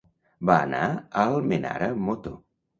Va anar a Almenara amb moto.